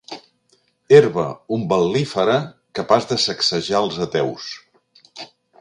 Herba umbel·lífera capaç de sacsejar els ateus.